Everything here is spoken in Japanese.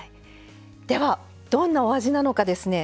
ではどんなお味なのかですね